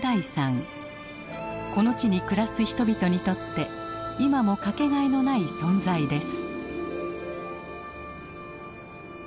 この地に暮らす人々にとって今も掛けがえのない存在です。